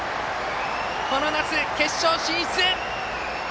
この夏、決勝進出！